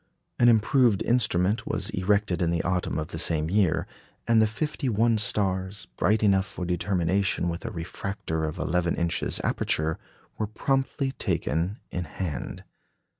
An improved instrument was erected in the autumn of the same year, and the fifty one stars, bright enough for determination with a refractor of 11 inches aperture, were promptly taken in hand.